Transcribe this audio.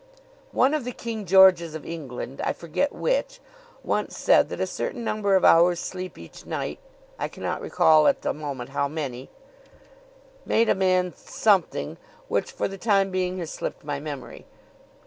One of the King Georges of England I forget which once said that a certain number of hours' sleep each night I cannot recall at the moment how many made a man something, which for the time being has slipped my memory.